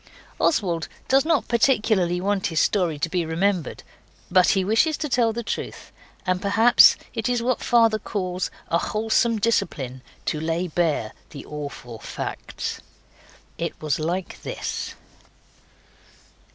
Oswald does not particularly want his story to be remembered, but he wishes to tell the truth, and perhaps it is what father calls a wholesome discipline to lay bare the awful facts. It was like this.